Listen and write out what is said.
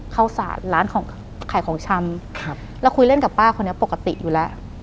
สาดร้านของขายของชำเราคุยเล่นกับป้าคนนี้ปกติอยู่แล้ว